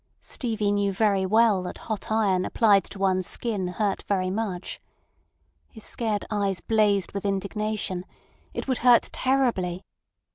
Stevie knew very well that hot iron applied to one's skin hurt very much. His scared eyes blazed with indignation: it would hurt terribly.